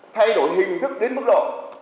thay đổi hình thức đến mức độ